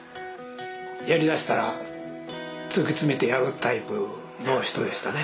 やりだしたら突き詰めてやるタイプの人でしたね。